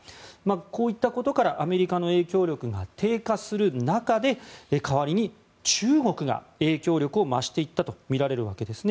こういったことからアメリカの影響力が低下する中で代わりに中国が影響力を増していったとみられるわけです。